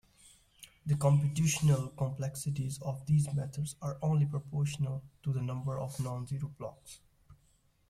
The computational complexities of these methods are only proportional to the number of non-zero blocks.